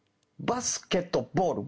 バスケットボールＢＫＢ。